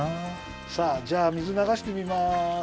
さあじゃあ水ながしてみます！